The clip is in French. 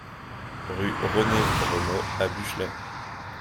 Rue René Renault à Buchelay